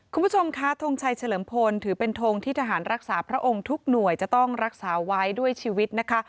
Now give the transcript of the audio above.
คุณผู้ชมคะทงชัยเฉลิมพลถือเป็นทงที่ทหารรักษาพระองค์ทุกหน่วยจะต้องรักษาไว้ด้วยชีวิตนะคะ